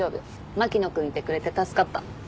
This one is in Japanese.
牧野君いてくれて助かった。